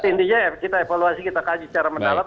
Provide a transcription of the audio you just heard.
tindijr kita evaluasi kita kaji secara mendalam